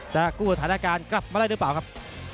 กู้สถานการณ์กลับมาได้หรือเปล่าครับ